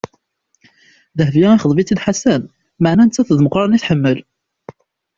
Dehbiya ixḍeb-itt Ḥasan, maɛna nettat d Meqran i tḥemmel.